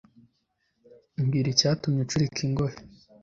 mbwira icyatumye ucurika ingohe